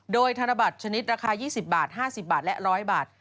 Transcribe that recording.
โดยธนบัตรชนิดราคา๒๐บาท๕๐บาทและ๑๐๐บาท